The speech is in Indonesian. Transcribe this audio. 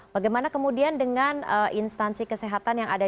bagaimana kemudian dengan instansi kesehatan yang ada